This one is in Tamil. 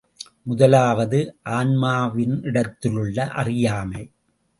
முதலாவது ஆன்மாவினிடத்திலுள்ள அறியாமை.